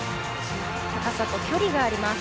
高さと距離があります。